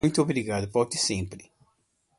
Muito obrigado volte sempre.